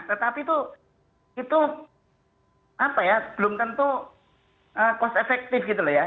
tetapi itu itu apa ya belum tentu cost effective gitu ya